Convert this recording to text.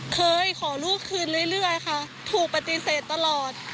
เคยขอลูกคืนเรื่อยค่ะถูกปฏิเสธตลอด